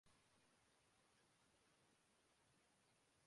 selection committee کا سرفراز کو ئندہ سیریز میں رام دینے کا فیصلہ